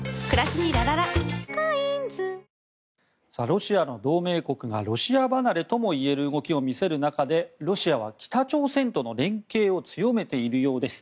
ロシアの同盟国がロシア離れともいえる動きを見せる中でロシアは北朝鮮との連携を強めているようです。